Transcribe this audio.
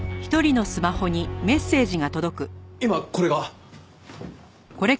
今これが。